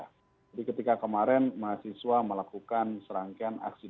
jadi ketika kemarin mahasiswa melakukan serangkaian aksiden